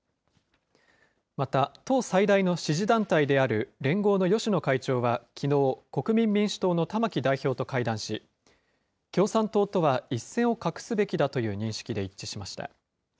また、党最大の支持団体である連合の芳野会長はきのう、国民民主党の玉木代表と会談し、共産党とは一線を画すべきだという認識で一致しました。